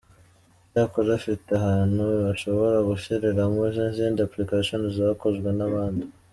Icyakora afite ahantu ushobora gushyiriramo n’izindi application zakozwe n’abandi.